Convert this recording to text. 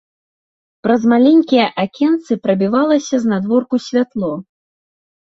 Праз маленькія акенцы прабівалася знадворку святло.